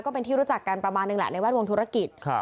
เป็นที่รู้จักกันประมาณนึงแหละในแวดวงธุรกิจ